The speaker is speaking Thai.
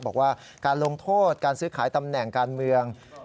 บอกว่าการลงโทษการซื้อขายตำแหน่งการเมือง